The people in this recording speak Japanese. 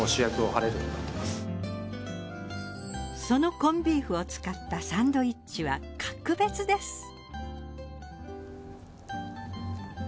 そのコンビーフを使ったサンドイッチは格別です。